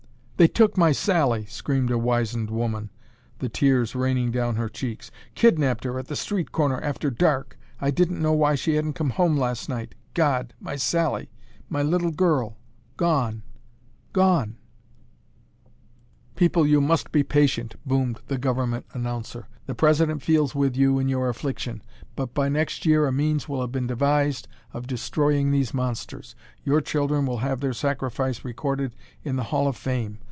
"They took my Sally," screamed a wizened woman, the tears raining down her checks. "Kidnapped her at the street corner after dark. I didn't know why she hadn't come home last night. God, my Sally, my little girl, gone gone " "People, you must be patient," boomed the Government announcer. "The President feels with you in your affliction. But by next year a means will have been devised of destroying these monsters. Your children will have their sacrifice recorded in the Hall of Fame.